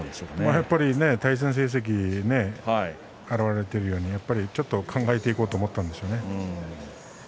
やっぱり対戦成績に表れているようにちょっと考えていこうと思ったんでしょうね。